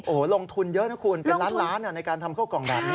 โอ้โหลงทุนเยอะนะคุณเป็นล้านล้านในการทำข้าวกล่องแบบนี้